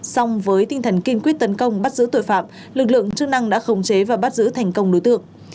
xong với tinh thần kiên quyết tấn công bắt giữ tội phạm lực lượng chức năng đã khống chế và bắt giữ thành công đối tượng